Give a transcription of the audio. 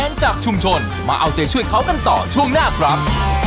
เอาไม่แน่นะคะ